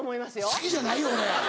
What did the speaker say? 好きじゃないよ俺。